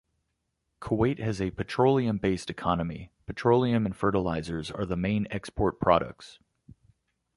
Kuwait has a petroleum-based economy, petroleum and fertilizers are the main export products.